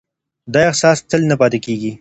دا احساس تل نه پاتې کېږي.